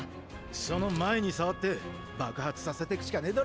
その前に触って爆発させてくしかねぇだろ。